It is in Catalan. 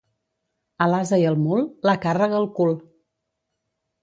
A l'ase i al mul, la càrrega al cul.